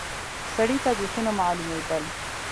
سړي ته بيخي نه معلومېدل.